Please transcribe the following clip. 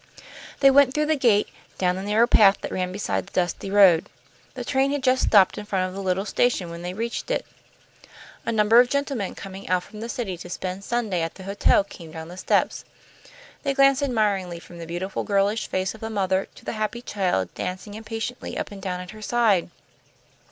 They went through the gate, down the narrow path that ran beside the dusty road. The train had just stopped in front of the little station when they reached it. A number of gentlemen, coming out from the city to spend Sunday at the hotel, came down the steps. They glanced admiringly from the beautiful, girlish face of the mother to the happy child dancing impatiently up and down at her side.